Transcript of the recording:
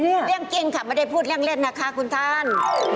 เรื่องกินค่ะไม่ได้พูดเรื่องเล่นนะคะคุณท่าน